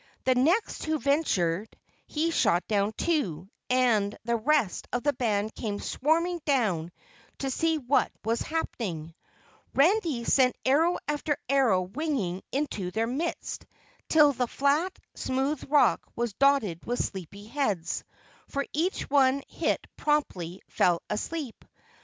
The next who ventured he shot down too, and as the rest of the band came swarming down to see what was happening, Randy sent arrow after arrow winging into their midst till the flat, smooth rock was dotted with sleepy heads, for each one hit promptly fell asleep.